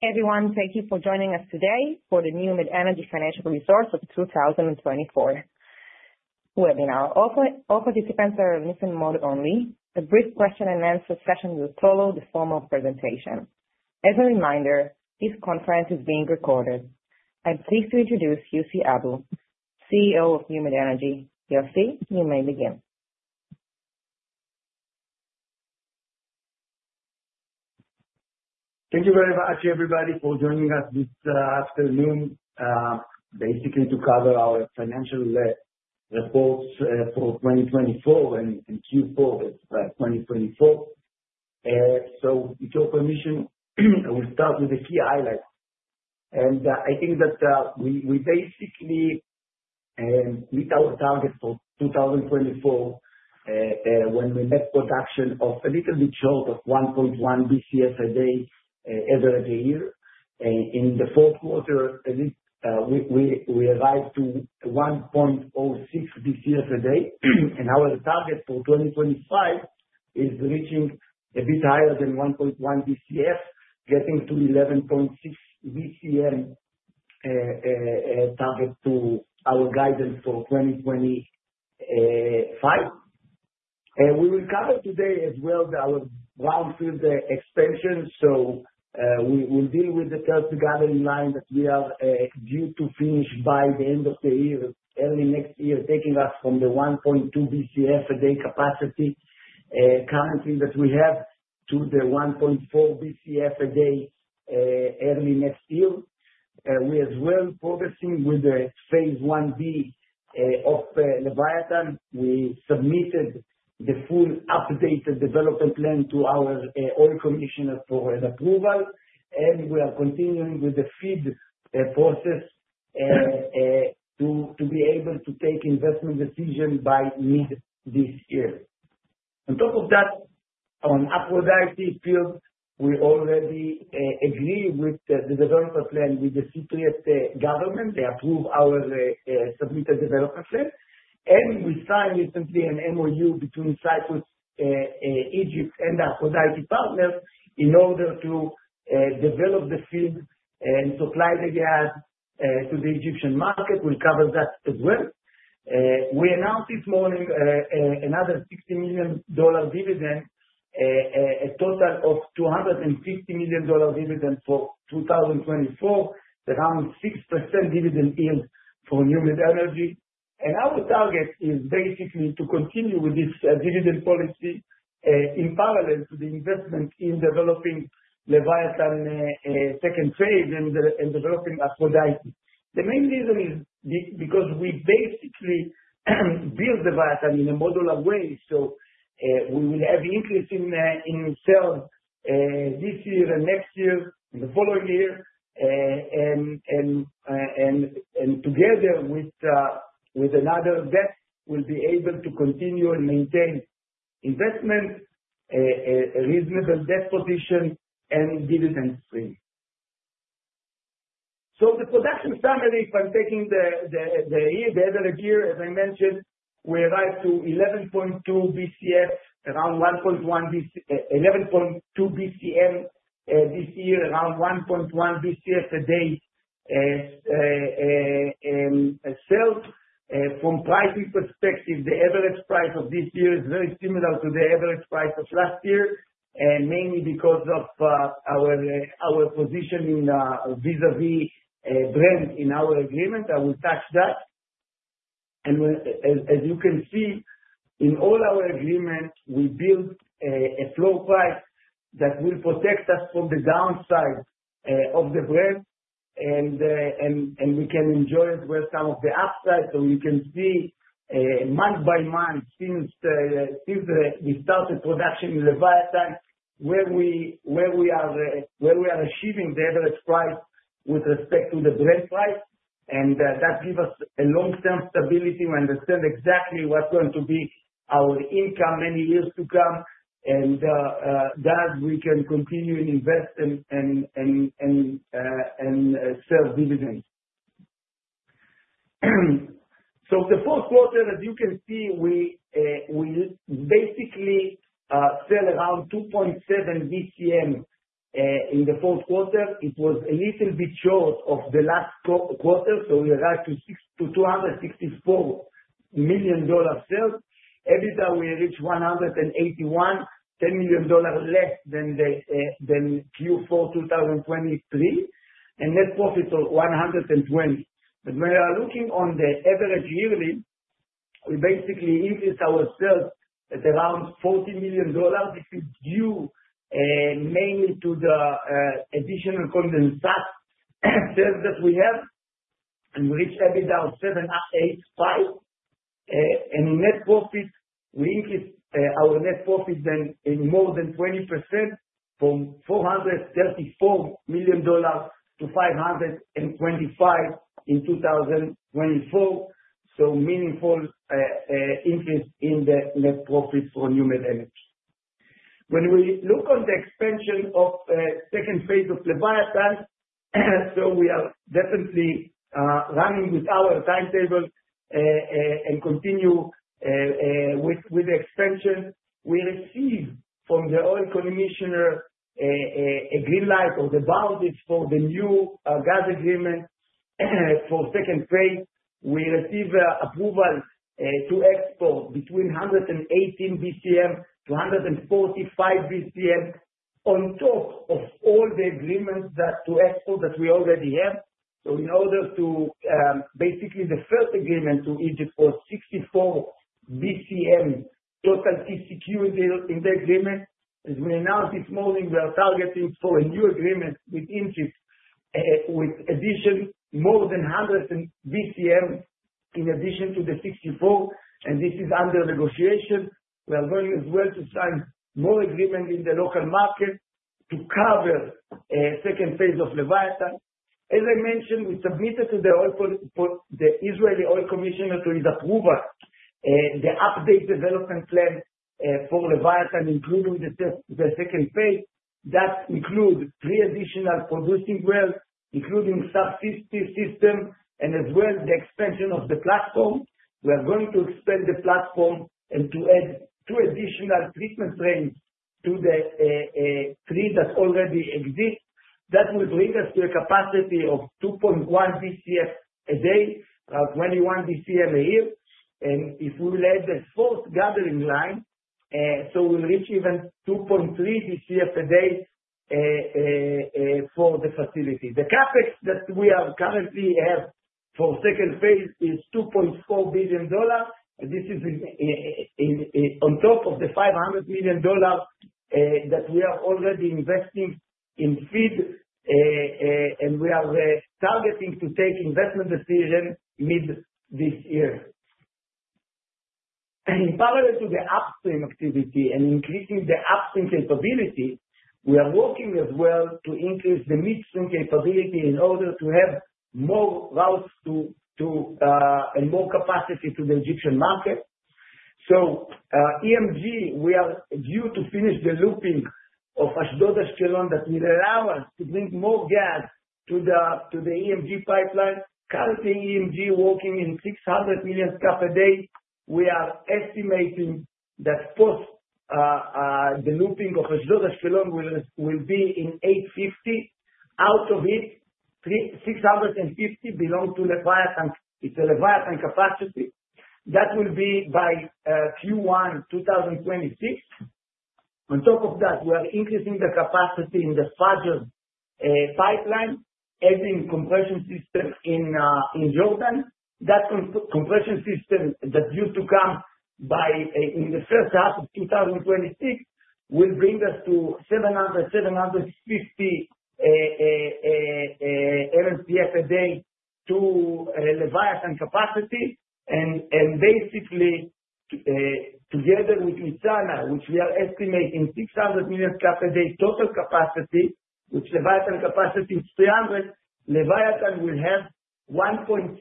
Hey, everyone. Thank you for joining us today for the NewMed Energy Financial Results of 2024 webinar. All participants are in listen mode only. A brief question-and-answer session will follow the formal presentation. As a reminder, this conference is being recorded. I'm pleased to introduce Yossi Abu, CEO of NewMed Energy. Yossi, you may begin. Thank you very much, everybody, for joining us this afternoon, basically to cover our financial reports for 2024 and Q4 2024. With your permission, we'll start with the key highlights. I think that we basically meet our target for 2024 when we met production of a little bit short of 1.1 BCF a day earlier this year. In the fourth quarter, we arrived to 1.06 BCF a day. Our target for 2025 is reaching a bit higher than 1.1 BCF, getting to 11.6 BCM target to our guidance for 2025. We will cover today as well our brownfield expansion. We'll deal with the third gathering line that we are due to finish by the end of the year, early next year, taking us from the 1.2 BCF a day capacity currently that we have to the 1.4 BCF a day early next year. We are as well progressing with the phase 1B of Leviathan. We submitted the full updated development plan to our oil commissioner for approval. We are continuing with the FEED process to be able to take investment decisions by mid this year. On top of that, on Aphrodite field, we already agreed with the development plan with the Cyprus government. They approved our submitted development plan. We signed recently an MoU between Cyprus, Egypt, and Aphrodite partners in order to develop the field and supply the gas to the Egyptian market. We will cover that as well. We announced this morning another $60 million dividend, a total of $250 million dividend for 2024, around 6% dividend yield for NewMed Energy. Our target is basically to continue with this dividend policy in parallel to the investment in developing Leviathan second phase and developing Aphrodite. The main reason is because we basically build Leviathan in a modular way. We will have an increase in sales this year and next year and the following year. Together with another debt, we'll be able to continue and maintain investment, a reasonable debt position, and dividend stream. The production summary, if I'm taking the head of the year, as I mentioned, we arrived to 11.2 BCM, around 1.1 BCM this year, around 1.1 BCM a day sales. From pricing perspective, the average price of this year is very similar to the average price of last year, mainly because of our positioning vis-à-vis Brent in our agreement. I will touch that. As you can see, in all our agreements, we built a floor price that will protect us from the downside of the Brent. We can enjoy as well some of the upside. You can see month by month since we started production in Leviathan, where we are achieving the average price with respect to the Brent price. That gives us a long-term stability. We understand exactly what's going to be our income many years to come. We can continue to invest and sustain dividends. The fourth quarter, as you can see, we basically sell around 2.7 BCM in the fourth quarter. It was a little bit short of the last quarter. We arrived to $264 million sales. EBITDA, we reached $181 million, $10 million less than Q4 2023. Net profit of $120 million. When we are looking on the average yearly, we basically increased our sales at around $40 million. This is due mainly to the additional condensate sales that we have. We reached EBITDA of $785 million. In net profit, we increased our net profit then in more than 20% from $434 million-$525 million in 2024. Meaningful increase in the net profit for NewMed Energy. When we look on the expansion of second phase of Leviathan, we are definitely running with our timetable and continue with the expansion. We received from the oil commissioner a green light on the boundaries for the new gas agreement for second phase. We received approval to export between 118 BCM and 145 BCM on top of all the agreements to export that we already have. In order to basically the first agreement to Egypt was 64 BCM total security in the agreement. As we announced this morning, we are targeting for a new agreement with Egypt with addition more than 100 BCM in addition to the 64. This is under negotiation. We are going as well to sign more agreement in the local market to cover second phase of Leviathan. As I mentioned, we submitted to the Israeli oil commissioner to his approval the updated development plan for Leviathan, including the second phase. That includes three additional producing wells, including subsea system, and as well the expansion of the platform. We are going to expand the platform and to add two additional treatment trains to the three that already exist. That will bring us to a capacity of 2.1 BCF a day, 21 BCM a year. If we will add the fourth gathering line, we will reach even 2.3 BCF a day for the facility. The CapEx that we currently have for second phase is $2.4 billion. This is on top of the $500 million that we are already investing in FEED. We are targeting to take investment decisions mid this year. In parallel to the upstream activity and increasing the upstream capability, we are working as well to increase the midstream capability in order to have more routes and more capacity to the Egyptian market. EMG, we are due to finish the looping of Ashdod-Ashkelon that will allow us to bring more gas to the EMG pipeline. Currently, EMG is working in 600 million SCF a day. We are estimating that post the looping of Ashdod-Ashkelon, we will be in 850. Out of it, 650 belong to Leviathan. It is a Leviathan capacity. That will be by Q1 2026. On top of that, we are increasing the capacity in the Fajr pipeline, adding compression system in Jordan. That compression system that due to come by in the first half of 2026 will bring us to 700-750 MMCF a day to Leviathan capacity. Basically, together with Nitzana, which we are estimating 600 million SCF a day total capacity, which Leviathan capacity is 300, Leviathan will have 1.6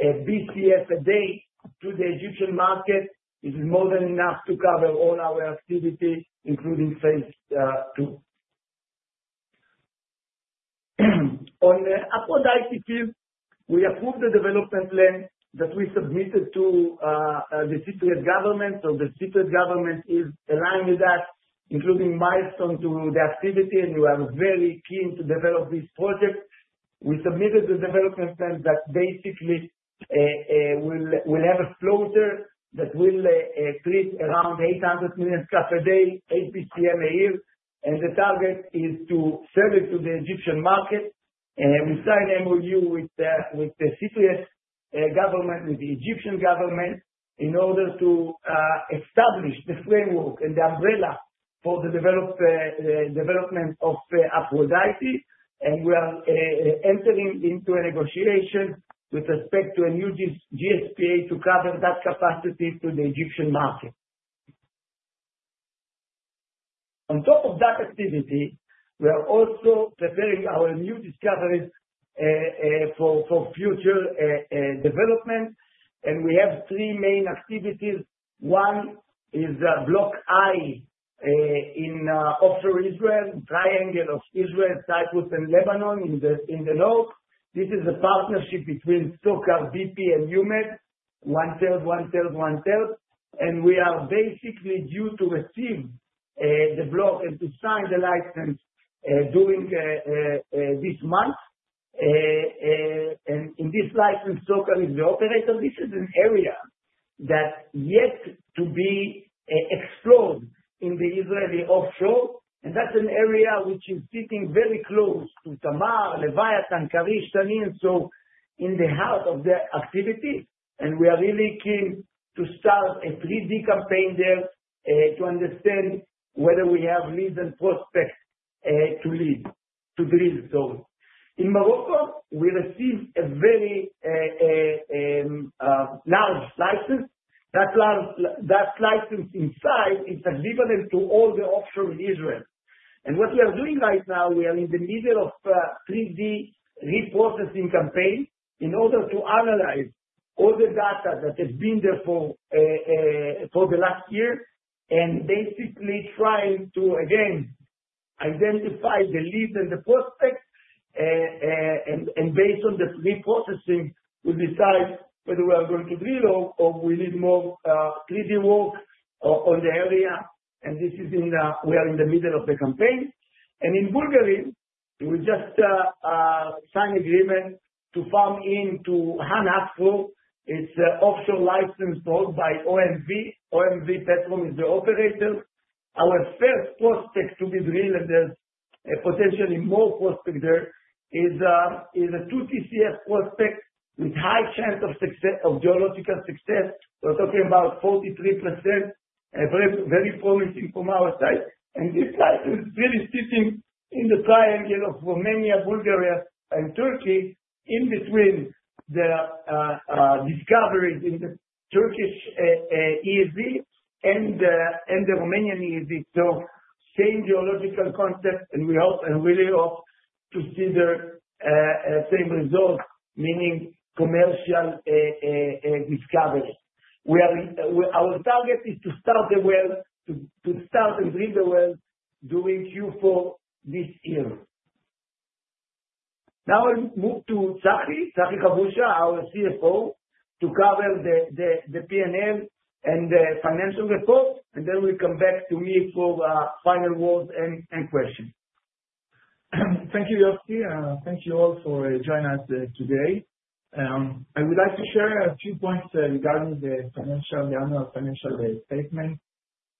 BCF a day to the Egyptian market. This is more than enough to cover all our activity, including phase two. On the Aphrodite field, we approved the development plan that we submitted to the Cyprus government. The Cyprus government is aligned with that, including milestone to the activity. We are very keen to develop this project. We submitted the development plan that basically will have a floater that will create around 800 million SCF a day, 8 BCM a year. The target is to sell it to the Egyptian market. We signed MoU with the Egyptian government, in order to establish the framework and the umbrella for the development of Aphrodite. We are entering into a negotiation with respect to a new GSPA to cover that capacity to the Egyptian market. On top of that activity, we are also preparing our new discoveries for future development. We have three main activities. One is Block I in offshore Israel, triangle of Israel, Cyprus, and Lebanon in the north. This is a partnership between SOCAR, BP, and NewMed, one third, one third, one third. We are basically due to receive the block and to sign the license during this month. In this license, SOCAR is the operator. This is an area that is yet to be explored in the Israeli offshore. That is an area which is sitting very close to Tamar, Leviathan, Karish, Tanin, so in the heart of the activity. We are really keen to start a 3D campaign there to understand whether we have leads and prospects to lead to drill zones. In Morocco, we received a very large license. That license inside is equivalent to all the offshore Israel. What we are doing right now, we are in the middle of a 3D reprocessing campaign in order to analyze all the data that has been there for the last year. Basically trying to, again, identify the leads and the prospects. Based on the reprocessing, we decide whether we are going to drill or we need more 3D work on the area. This is where we are in the middle of the campaign. In Bulgaria, we just signed agreement to farm into Han Asparuh. It's an offshore license owned by OMV. OMV Petrom is the operator. Our first prospect to be drilled and there's potentially more prospects there is a 2 TCF prospect with high chance of geological success. We're talking about 43%. Very promising from our side. This license is really sitting in the triangle of Romania, Bulgaria, and Turkey in between the discoveries in the Turkish EEZ and the Romanian EEZ. Same geological concept. We hope and really hope to see the same results, meaning commercial discovery. Our target is to start the well, to start and drill the well during Q4 this year. Now I'll move to Tzachi Habusha, our CFO, to cover the P&L and the financial report. We'll come back to me for final words and questions. Thank you, Yossi. Thank you all for joining us today. I would like to share a few points regarding the financial, the annual financial statement.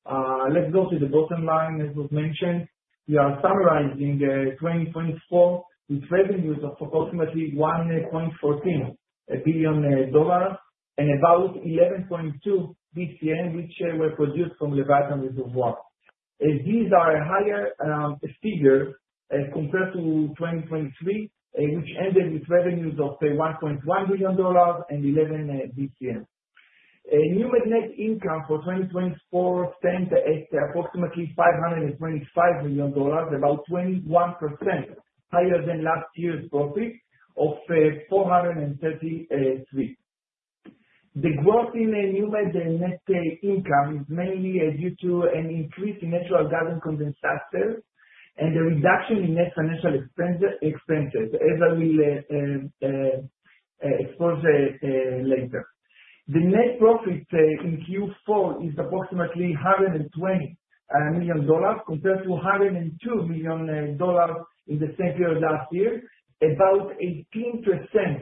Let's go to the bottom line, as was mentioned. We are summarizing 2024 with revenues of approximately $1.14 billion and about 11.2 BCM, which were produced from Leviathan reservoir. These are higher figures compared to 2023, which ended with revenues of $1.1 billion and 11 BCM. NewMed net income for 2024 stands at approximately $525 million, about 21% higher than last year's profit of $433 million. The growth in NewMed net income is mainly due to an increase in natural gas and condensate sales and the reduction in net financial expenses, as I will expose later. The net profit in Q4 is approximately $120 million compared to $102 million in the same period last year, about 18%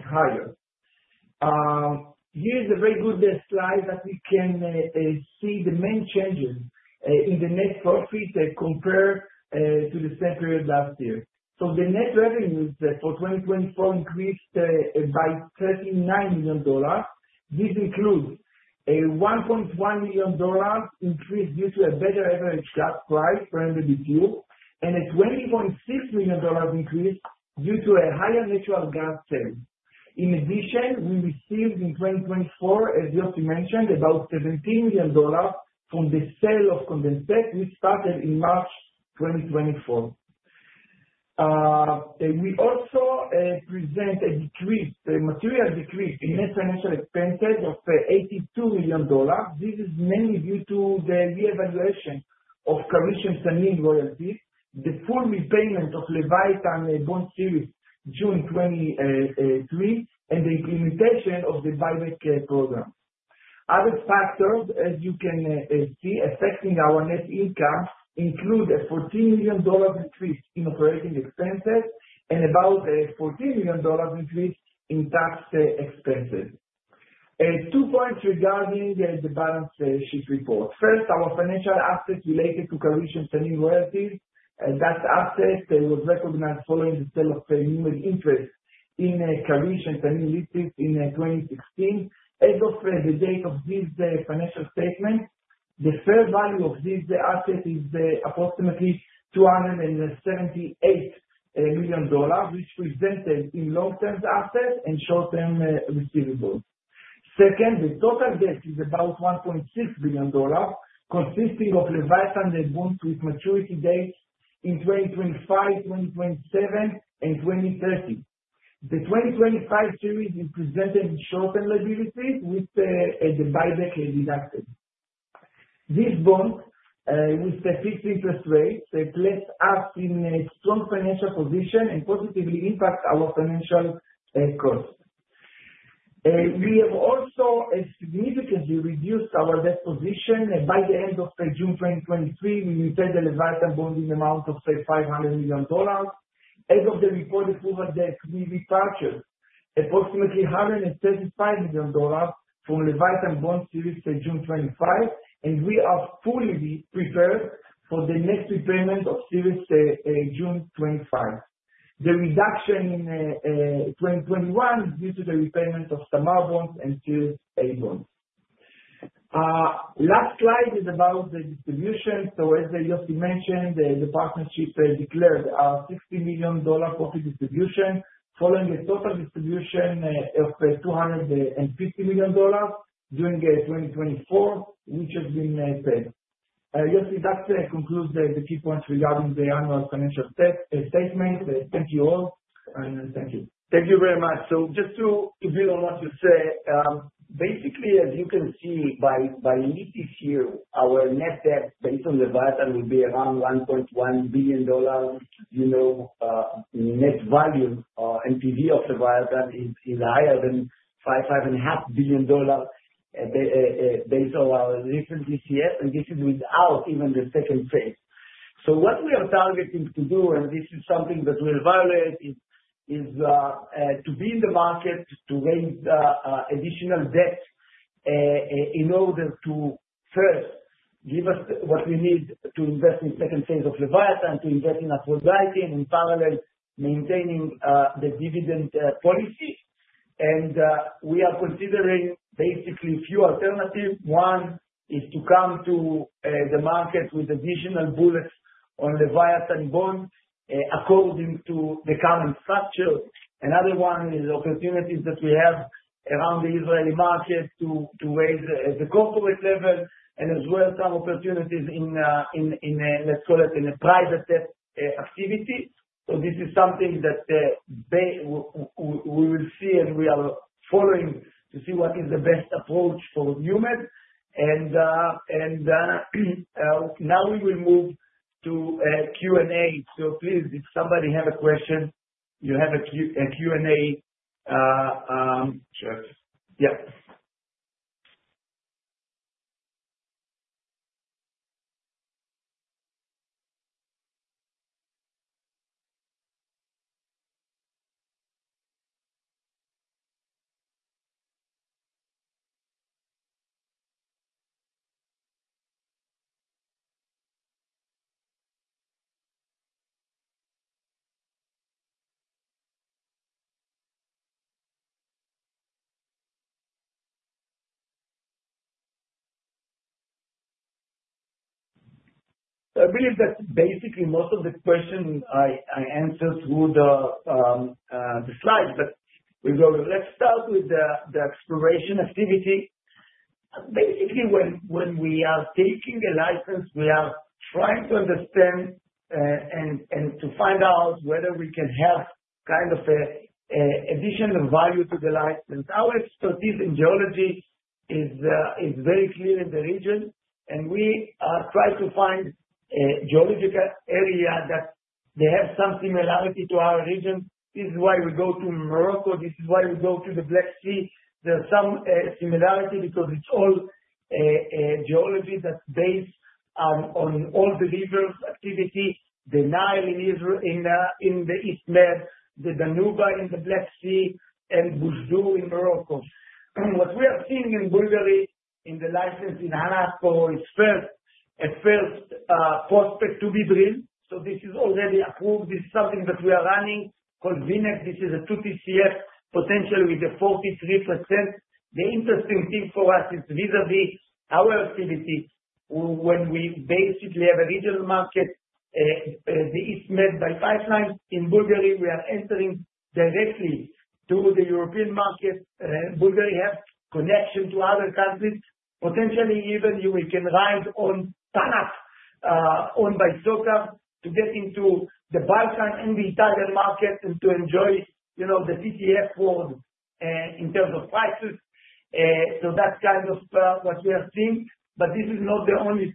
higher. Here's a very good slide that we can see the main changes in the net profit compared to the same period last year. The net revenues for 2024 increased by $39 million. This includes a $1.1 million increase due to a better average gas price per MMBtu and a $20.6 million increase due to a higher natural gas sale. In addition, we received in 2024, as Yossi mentioned, about $17 million from the sale of condensate, which started in March 2024. We also present a decrease, a material decrease in net financial expenses of $82 million. This is mainly due to the reevaluation of Karish and Tanin royalties, the full repayment of Leviathan bond series June 2023, and the implementation of the buyback program. Other factors, as you can see, affecting our net income include a $14 million decrease in operating expenses and about $14 million decrease in tax expenses. Two points regarding the balance sheet report. First, our financial assets related to Karish and Tanin royalties. That asset was recognized following the sale of NewMed interest in Karish and Tanin Ltd. in 2016. As of the date of this financial statement, the fair value of these assets is approximately $278 million, which presented in long-term assets and short-term receivables. Second, the total debt is about $1.6 billion, consisting of Leviathan bonds with maturity dates in 2025, 2027, and 2030. The 2025 series is presented in short-term liabilities with the buyback deduction. These bonds with fixed interest rates left us in a strong financial position and positively impacted our financial costs. We have also significantly reduced our debt position. By the end of June 2023, we retained the Leviathan bond in the amount of $500 million. As of the reported full debt, we repurchased approximately $135 million from Leviathan bond series June 25, and we are fully prepared for the next repayment of series June 25. The reduction in 2021 is due to the repayment of Tamar bonds and series A bonds. The last slide is about the distribution. As Yossi mentioned, the partnership declared a $60 million profit distribution following a total distribution of $250 million during 2024, which has been paid. Yossi, that concludes the key points regarding the annual financial statement. Thank you all. Thank you. Thank you very much. Just to build on what you said, basically, as you can see by the DCF here, our net debt based on Leviathan will be around $1.1 billion. Net value and PV of Leviathan is higher than $5.5 billion based on our recent DCF, and this is without even the second phase. What we are targeting to do, and this is something that we'll evaluate, is to be in the market to raise additional debt in order to first give us what we need to invest in the second phase of Leviathan, to invest in Aphrodite, and in parallel, maintaining the dividend policy. We are considering basically a few alternatives. One is to come to the market with additional bullets on Leviathan bonds according to the current structure. Another one is opportunities that we have around the Israeli market to raise at the corporate level and as well some opportunities in, let's call it, in a private activity. This is something that we will see, and we are following to see what is the best approach for NewMed. Now we will move to Q&A. Please, if somebody has a question, you have a Q&A. Sure. Yeah. I believe that basically most of the questions I answered through the slides, but let's start with the exploration activity. Basically, when we are taking a license, we are trying to understand and to find out whether we can have kind of additional value to the license. Our expertise in geology is very clear in the region, and we try to find a geological area that has some similarity to our region. This is why we go to Morocco. This is why we go to the Black Sea. There's some similarity because it's all geology that's based on all the rivers' activity: the Nile in the East Med, the Danube in the Black Sea, and Boujdour in Morocco. What we are seeing in Bulgaria in the license in Han Asparuh is first a first prospect to be drilled. This is already approved. This is something that we are running called Vinekh. This is a 2 TCF potentially with a 43%. The interesting thing for us is vis-à-vis our activity when we basically have a regional market, the East Med by pipeline. In Bulgaria, we are entering directly through the European market. Bulgaria has connections to other countries. Potentially, even we can ride on TANAP owned by SOCAR to get into the Balkan and the Italian market and to enjoy the TTF board in terms of prices. That is kind of what we are seeing. This is not the only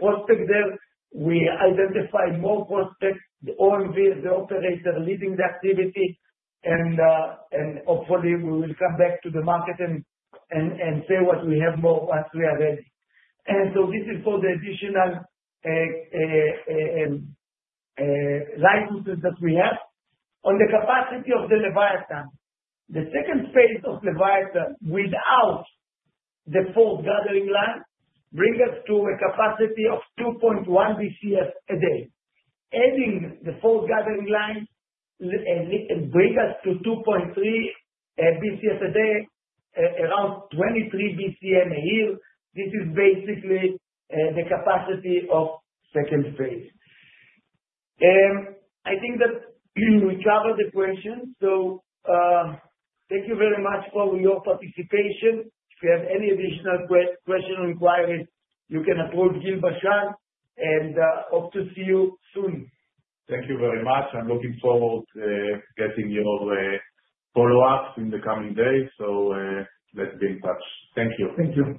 prospect there. We identify more prospects, the OMV, the operator leading the activity, and hopefully, we will come back to the market and say what we have more once we are ready. This is for the additional licenses that we have. On the capacity of the Leviathan, the second phase of Leviathan without the fourth gathering line brings us to a capacity of 2.1 BCM a day. Adding the fourth gathering line brings us to 2.3 BCM a day, around 23 BCM a year. This is basically the capacity of the second phase. I think that we covered the questions. Thank you very much for your participation. If you have any additional questions or inquiries, you can approach Gil Bashan, and hope to see you soon. Thank you very much. I'm looking forward to getting your follow-up in the coming days. Let's be in touch. Thank you. Thank you.